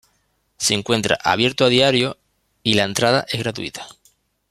Se encuentra abierto a diario y la entrada es gratuita..